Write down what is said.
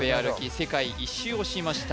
世界一周をしました